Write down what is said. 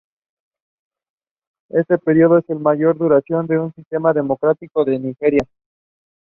Este periodo es el de mayor duración de un sistema democrático en Nigeria.